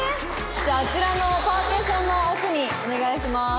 じゃああちらのパーティションの奥にお願いします。